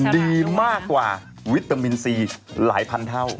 ดีมากกว่าวิตามินซีหลายพันเท่า